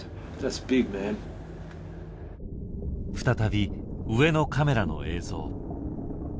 再び上のカメラの映像。